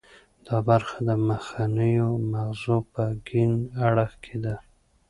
دا برخه د مخنیو مغزو په کیڼ اړخ کې ده